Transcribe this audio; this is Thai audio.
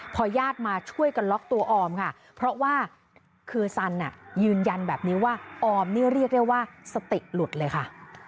พอญาติมาช่วยกันล็อกตัวออมค่ะเพราะว่าคือสันยืนยันแบบนี้ว่าออมนี่เรียกได้ว่าสติหลุดเลยค่ะ